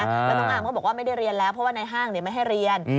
แล้วน้องอาร์มก็บอกว่าไม่ได้เรียนแล้วเพราะว่าในห้างไม่ให้เรียน